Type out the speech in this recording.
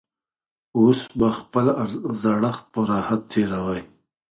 اوس به خپل زړښت په راحت تېروي.